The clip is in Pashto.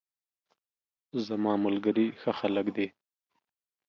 زماملګري ښه خلګ دي